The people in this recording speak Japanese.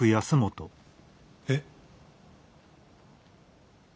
えっ？